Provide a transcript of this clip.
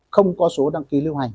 không có số đăng ký lưu hành